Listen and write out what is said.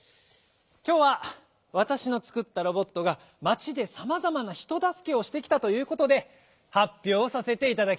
きょうはわたしのつくったロボットが町でさまざまなひとだすけをしてきたということで発表させていただきます。